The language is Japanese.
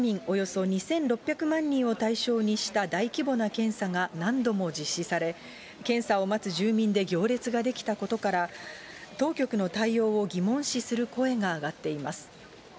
およそ２６００万人を対象にした大規模な検査が何度も実施され、検査を待つ住民で行列が出来たことから、当局の対応を疑問視する声が上がっています。